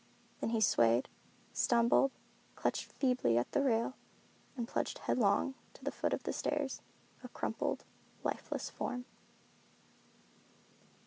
Then he swayed, stumbled, clutched feebly at the rail and plunged headlong to the foot of the stairs, a crumpled, lifeless form.